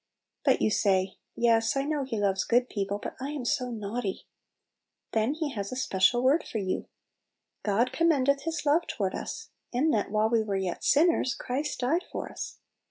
But you say, " Yes, I know He loves good people; but I am so naughty!" Then He has a special word for you: " God commendeth His love toward us, in that, while we were yet sinners, Christ died for us."